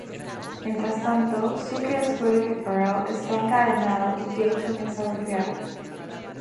Mientras tanto, Sookie descubre que Farrell está encadenado y Gabe comienza a golpearla.